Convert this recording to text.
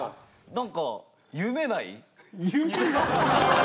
何か夢ない？